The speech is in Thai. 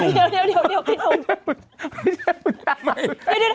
เดี๋ยวพี่นุ่ม